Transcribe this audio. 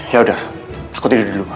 ya udah aku tidur di luar